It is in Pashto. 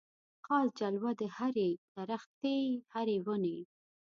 خاص جلوه د هري درختي هري وني